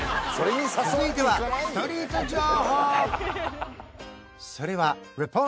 続いてはストリート情報！